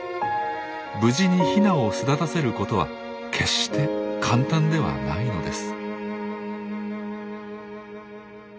無事にヒナを巣立たせることは決して簡単ではないのです。